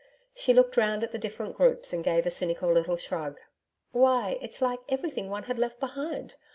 She looked round at the different groups and gave a cynical little shrug. 'Why! it's like everything one had left behind!